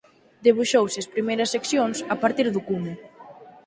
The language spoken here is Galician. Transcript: Debuxouse as primeiras seccións a partir do cume.